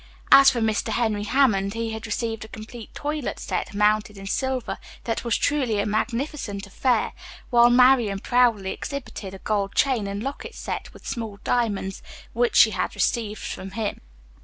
As for Mr. Henry Hammond, he had received a complete toilet set mounted in silver that was truly a magnificent affair, while Marian proudly exhibited a gold chain and locket set with small diamonds, which she had received from him.